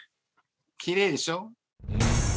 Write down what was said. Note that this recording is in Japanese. きれいでしょ？